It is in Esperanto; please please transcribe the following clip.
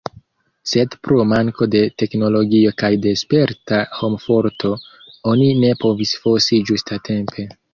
Sed pro manko de teknologio kaj de sperta homforto oni ne povis fosi ĝustatempe.